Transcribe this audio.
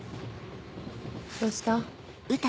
どうした？